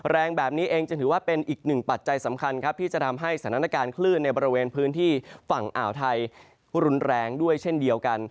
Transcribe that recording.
แรงแบบนี้เองจะถือว่าเป็นอีกหนึ่งปัจจัยสำคัญครับที่จะทำให้สถานการณ์คลื่นในบริเวณพื้นที่ฝั่งอ่าวไทยรุนแรงด้วยเช่นเดียวกัน